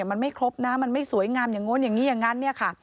มันไม่ครบนะมันไม่สวยงามอย่างโง่นอย่างนี้อย่างนั้น